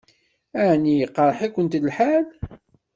Ɛni iqṛeḥ-ikent lḥal?